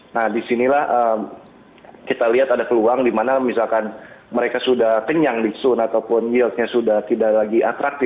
nah disinilah kita lihat ada peluang di mana misalkan mereka sudah kenyang di sun ataupun yieldnya sudah tidak lagi atraktif